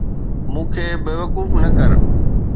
مون کي بيوقوف نه ڪر